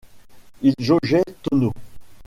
Il jaugeait tonneaux.